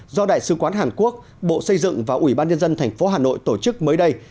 do đại sứ quán hàn quốc bộ xây dựng và ủy ban nhân dân tp hà nội tổ chức mới đây